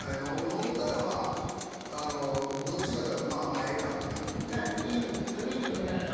飲んだらどっちかいうたらまあええかってなってるタイプ。